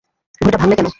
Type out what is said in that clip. ঘড়িটা ভাঙ্গলে কেন?